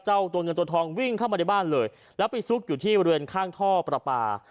ตัวเงินตัวทองวิ่งเข้ามาในบ้านเลยแล้วไปซุกอยู่ที่บริเวณข้างท่อประปา